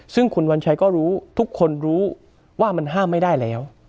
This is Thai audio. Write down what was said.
ซึ่งคุณวัญชัยก็รู้ทุกคนรู้ว่ามันห้ามไม่ได้แล้ว